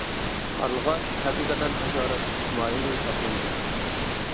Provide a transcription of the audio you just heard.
قارلىغاچ ھەقىقەتەن ھاشارات تۇتۇش ماھىرى ھېسابلىنىدۇ.